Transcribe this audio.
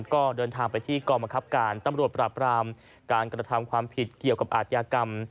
ก็เดินทางไปที่กองบังคับการตำรวจปราบรามการกระทำความผิดเกี่ยวกับอาทยากรรม